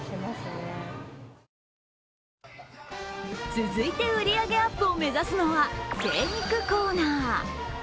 続いて、売り上げアップを目指すのは精肉コーナー。